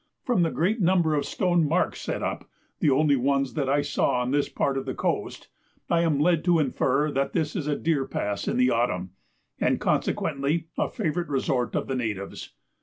From the great number of stone marks set up (the only ones that I saw on this part of the coast), I am led to infer that this is a deer pass in the autumn, and consequently a favourite resort of the natives.